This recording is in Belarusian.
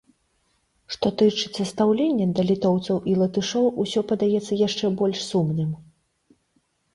Што тычыцца стаўлення да літоўцаў і латышоў, усё падаецца яшчэ больш сумным.